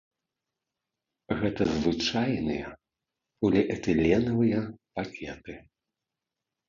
Гэта звычайныя поліэтыленавыя пакеты.